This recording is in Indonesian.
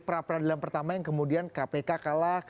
perapradilan pertama yang kemudian kpk kalah